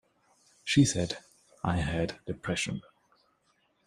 She said, I had depression.